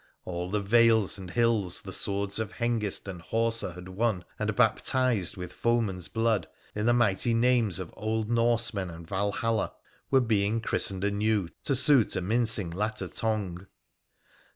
All the vales and hills the swords of Hengist and Horsa had won, and baptised with foemen's blood, in the mighty names of old Norsemen and Valhalla, were being christened anew to suit a mincing, latter tongue.